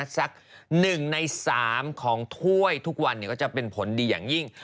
สัก๑ใน๓ของถ้วยทุกวันก็จะเป็นผลดีอย่างยิ่ง